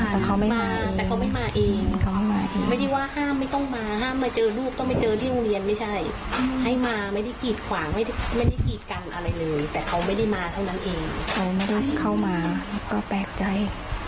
เพราะก่อนหน้านี้ก็เงียบไปแล้วจะโกรธก็ไม่รู้จะโกรธยังไง